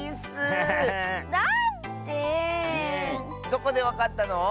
どこでわかったの？